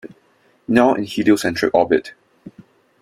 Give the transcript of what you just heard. Now in Heliocentric orbit.